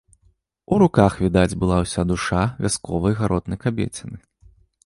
У руках відаць была ўся душа вясковай гаротнай кабеціны.